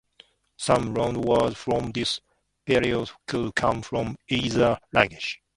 Some loanwords from this period could come from either language.